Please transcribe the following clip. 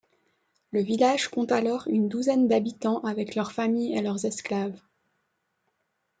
Le village compte alors une douzaine d'habitants avec leurs familles et leurs esclaves.